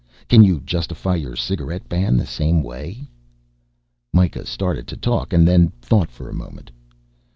Can you justify your cigarette ban the same way?" Mikah started to talk, then thought for a moment.